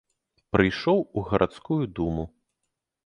Прыйшоў у гарадскую думу.